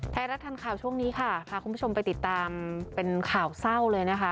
ทันข่าวช่วงนี้ค่ะพาคุณผู้ชมไปติดตามเป็นข่าวเศร้าเลยนะคะ